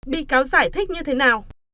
bị cáo giải thích như thế nào